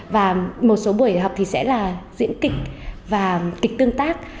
và một số buổi học thì sẽ là diễn kịch và kịch tương tác